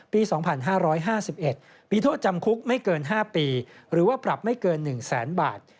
ปี๒๕๕๑มีโทษจำคุกไม่เกิน๕ปีหรือว่าปรับไม่เกิน๑แสนบาท